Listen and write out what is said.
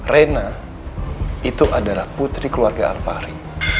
rena itu adalah putri keluarga al fahri